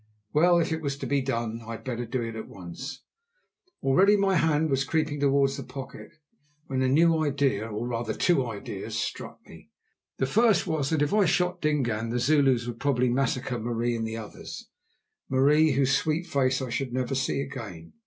Well, if it was to be done, I had better do it at once. Already my hand was creeping towards the pocket when a new idea, or rather two ideas, struck me. The first was that if I shot Dingaan the Zulus would probably massacre Marie and the others—Marie, whose sweet face I should never see again.